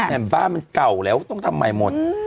แต่บ้านมันเก่าแล้วต้องทำใหม่หมด